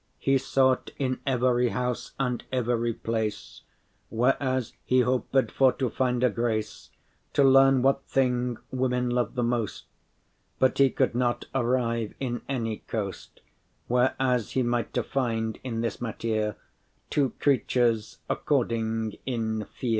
He sought in ev’ry house and ev’ry place, Where as he hoped for to finde grace, To learne what thing women love the most: But he could not arrive in any coast, Where as he mighte find in this mattere Two creatures *according in fere.